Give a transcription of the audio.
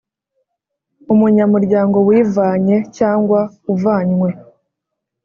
Umunyamuryango wivanye cyangwa uvanywe